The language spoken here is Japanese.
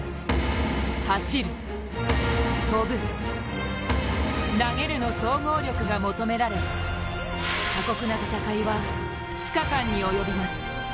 走る・跳ぶ・投げるの総合力が求められ過酷な戦いは２日間に及びます。